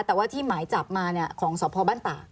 แต่ว่าที่หมายจับมาของสพบ้านตาก